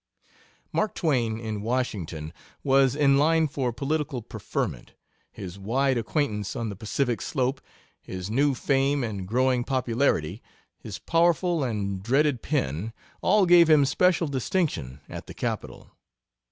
Mark Twain, in Washington, was in line for political preferment: His wide acquaintance on the Pacific slope, his new fame and growing popularity, his powerful and dreaded pen, all gave him special distinction at the capital.